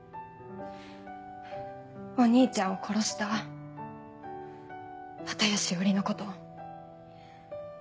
お兄ちゃんを殺した綿谷詩織のこと。